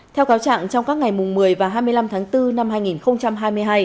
theo cáo trạng trong các ngày một mươi và hai mươi năm tháng bốn năm hai nghìn hai mươi hai